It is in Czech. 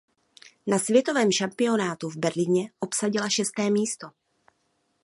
Na světovém šampionátu v Berlíně obsadila šesté místo.